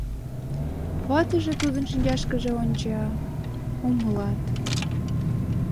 Ватыже тудын шинчашкыже онча... умылат.